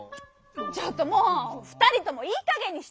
ちょっともう２人ともいいかげんにしてよ！